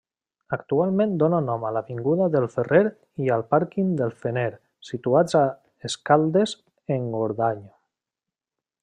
Actualment dóna nom a l'avinguda del Fener i al pàrquing del Fener situats a Escaldes-Engordany.